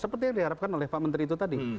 seperti yang diharapkan oleh pak menteri itu tadi